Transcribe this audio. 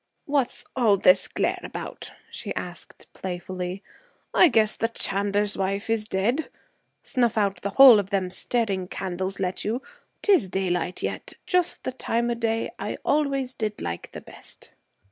'What's all this glare about?' she asked, playfully. 'I guess the chandler's wife is dead. Snuff out the whole of them staring candles, let you. 'Tis daylight yet; just the time o' day I always did like the best.'